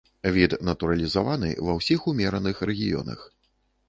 Від натуралізаваны ва ўсіх умераных рэгіёнах.